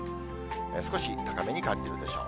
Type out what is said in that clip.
少し高めに感じるでしょう。